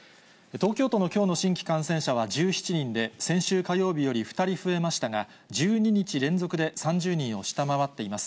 東京都のきょうの新規感染者は１７人で、先週火曜日より２人増えましたが、１２日連続で３０人を下回っています。